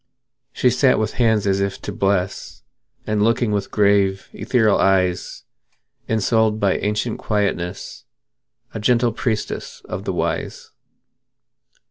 She sat with hands as if to bless, And looked with grave, ethereal eyes; Ensouled by ancient quietness, A gentle priestess of the Wise.